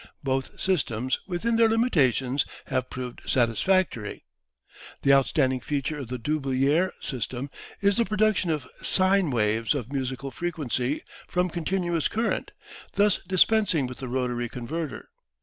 Both systems, within their limitations, have proved satisfactory. The outstanding feature of the Dubilier system is the production of sine waves of musical frequency from continuous current, thus dispensing with the rotary converter.